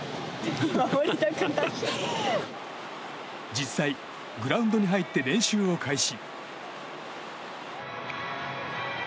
実際、グラウンドに入って練習を開始。